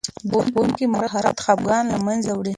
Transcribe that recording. د ښوونکي مهارت خفګان له منځه وړي.